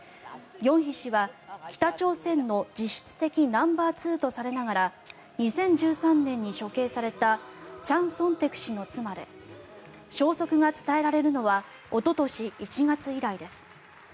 ギョンヒ氏は北朝鮮の実質的ナンバーツーとされながら２０１３年に処刑されたチャン・ソンテク氏の妻で消息が伝えられるのはおととし１月以来です。